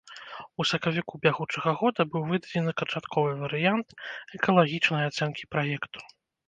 У сакавіку бягучага года быў выдадзены канчатковы варыянт экалагічнай ацэнкі праекту.